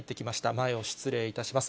前を失礼いたします。